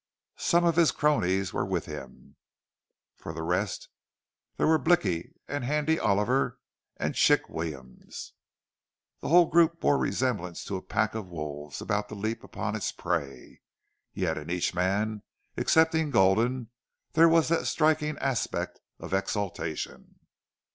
Some of his cronies were with him. For the rest, there were Blicky and Handy Oliver and Chick Williams. The whole group bore resemblance to a pack of wolves about to leap upon its prey. Yet, in each man, excepting Gulden, there was that striking aspect of exultation.